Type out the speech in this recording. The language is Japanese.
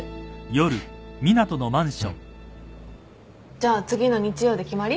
じゃあ次の日曜で決まり？